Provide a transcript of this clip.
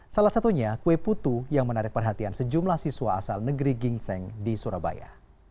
salah satunya kue putu yang menarik perhatian sejumlah siswa asal negeri gingseng di surabaya